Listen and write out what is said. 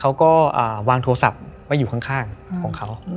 เขาก็วางโทรศัพท์ไว้อยู่ข้างของเขา